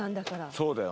「そうだよ」